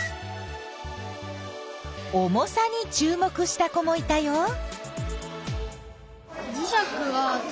重さにちゅう目した子もいたよ。